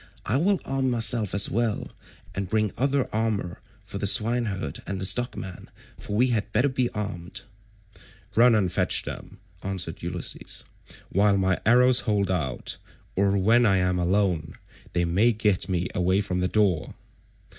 I will arm myself as well, and will bring other armour for the swineherd and the stockman, for we had better be armed." "Run and fetch them," answered Ulysses, "while my arrows hold out, or when I am alone they may get me away from the door."